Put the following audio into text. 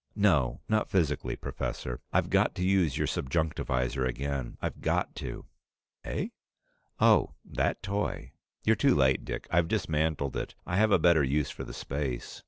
No. Not physically. Professor. I've got to use your subjunctivisor again. I've got to!" "Eh? Oh that toy. You're too late, Dick. I've dismantled it. I have a better use for the space."